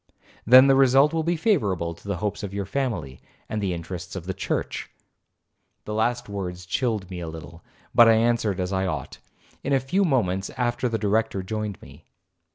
'—'Then the result will be favourable to the hopes of your family, and the interests of the church.' The last words chilled me a little, but I answered as I ought. In a few moments after the Director joined me.